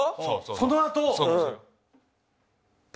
そのあと。